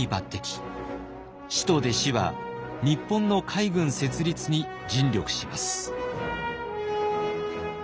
師と弟子は日本の海軍設立に尽力します。